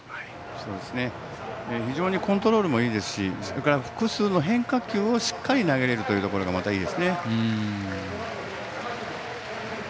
非常にコントロールもいいですしそれから複数の変化球をしっかり投げられるところがまたいいですね。